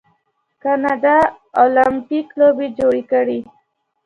کاناډا المپیک لوبې جوړې کړي.